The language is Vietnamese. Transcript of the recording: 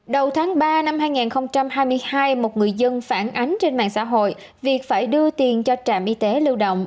đầu tháng ba năm hai nghìn hai mươi hai một người dân phản ánh trên mạng xã hội việc phải đưa tiền cho trạm y tế lưu động